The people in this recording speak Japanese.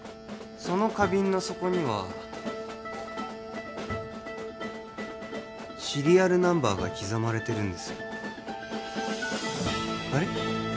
その花瓶の底にはシリアルナンバーが刻まれてるんですよあれ？